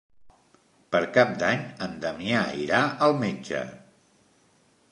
Per Cap d'Any en Damià irà al metge.